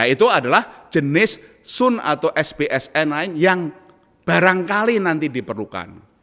itu adalah jenis sun atau spsn lain yang barangkali nanti diperlukan